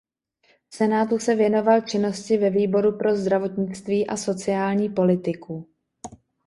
V senátu se věnoval činnosti ve Výboru pro zdravotnictví a sociální politiku.